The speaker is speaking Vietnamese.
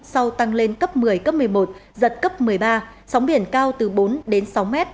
sau tăng lên cấp một mươi cấp một mươi một giật cấp một mươi ba sóng biển cao từ bốn đến sáu m